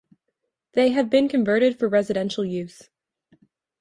They have been converted for residential use.